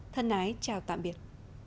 thân ái chào tạm biệt